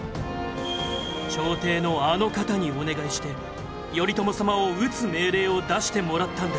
朝廷のあの方にお願いして頼朝様を討つ命令を出してもらったんです。